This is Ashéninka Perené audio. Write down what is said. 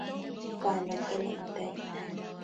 Panakena intaina.